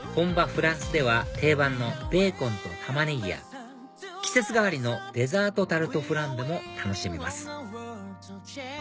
フランスでは定番のベーコンとタマネギや季節替わりのデザートタルトフランベも楽しめます